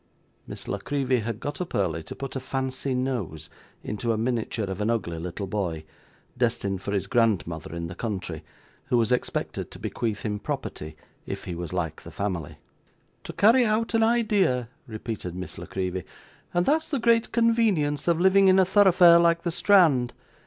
Miss La Creevy had got up early to put a fancy nose into a miniature of an ugly little boy, destined for his grandmother in the country, who was expected to bequeath him property if he was like the family. 'To carry out an idea,' repeated Miss La Creevy; 'and that's the great convenience of living in a thoroughfare like the Strand.